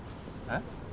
えっ？